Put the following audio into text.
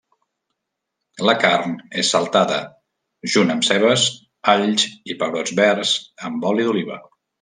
La carn és saltada, junt amb cebes, all i pebrots verds, amb oli d'oliva.